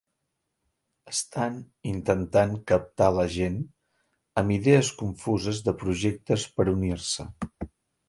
Estan intentant captar la gent amb idees confuses de projectes per unir-se.